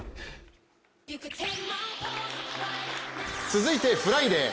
続いてフライデー。